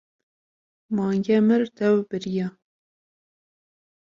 Mange mir dew biriya.